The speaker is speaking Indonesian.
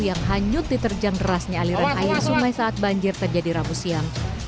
yang hanyut diterjang derasnya aliran air sungai saat banjir terjadi rabu siang